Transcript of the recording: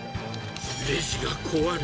レジが壊れ。